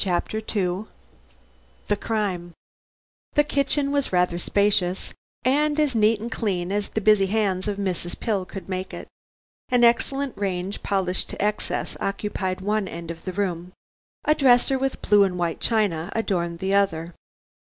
CHAPTER II THE CRIME The kitchen was rather spacious, and as neat and clean as the busy hands of Mrs. Pill could make it. An excellent range polished to excess occupied one end of the room; a dresser with blue and white china adorned the other.